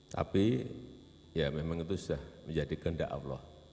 tapi ya memang itu sudah menjadi kehendak allah